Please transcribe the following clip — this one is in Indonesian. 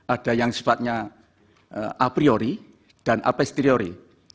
ada yang sifatnya a priori dan apesteori